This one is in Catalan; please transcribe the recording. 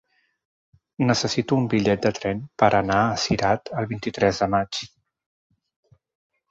Necessito un bitllet de tren per anar a Cirat el vint-i-tres de maig.